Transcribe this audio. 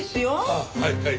あっはいはい。